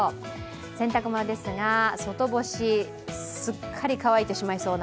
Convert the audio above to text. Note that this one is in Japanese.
洗濯物ですが、外干しすっかり乾いてしまいそうな。